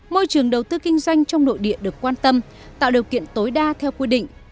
môi trường đầu tư kinh doanh trong nội địa được quan tâm tạo điều kiện tối đa theo quy định